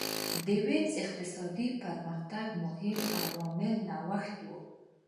د وینز اقتصادي پرمختګ مهم عامل نوښتونه وو